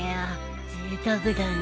ぜいたくだね。